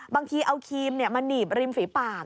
บางทีเอาครีมมาหนีบริมฝีปาก